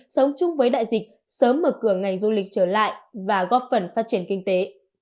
sống chung với đại dịch sớm mở cửa ngành du lịch trở lại và góp phần phát triển kinh tế